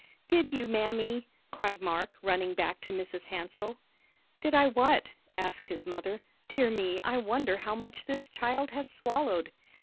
"Did you, Mammy?" cried Mark, running back to Mrs. Hansell. "Did I what?" asked his mother. "Dear me, I wonder how much this child has swallowed."